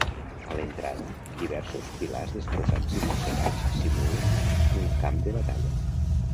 A l’entrada, diversos pilars destrossats i mossegats simulen un camp de batalla.